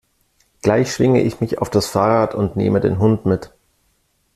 Gleich schwinge ich mich auf das Fahrrad und neme den Hund mit.